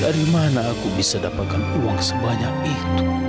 dari mana aku bisa dapatkan uang sebanyak itu